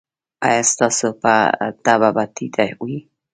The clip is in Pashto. ایا ستاسو تبه به ټیټه وي؟